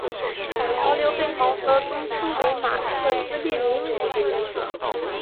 反潮流被毛泽东称为马克思列宁主义的原则。